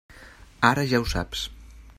Ara ja ho saps.